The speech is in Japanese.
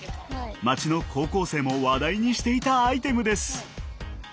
街の高校生も話題にしていたアイテムです。